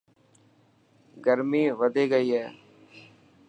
گرمي وڌي گئي هي.